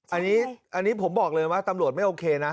อันนี้ผมบอกเลยว่าตำรวจไม่โอเคนะ